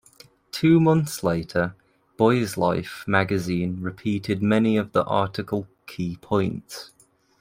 Two months later, "Boy's Life" magazine repeated many of the article key points.